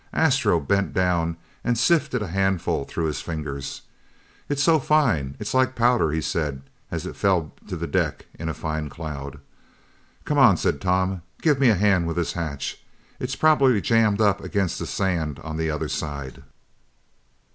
Astro bent down and sifted a handful through his fingers. "It's so fine, it's like powder," he said as it fell to the deck in a fine cloud. "Come on," said Tom, "give me a hand with this hatch. It's probably jammed up against sand on the other side."